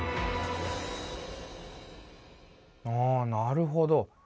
あなるほど。